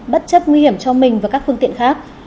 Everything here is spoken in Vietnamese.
bất chấp nguy hiểm cho mình và các phương tiện khác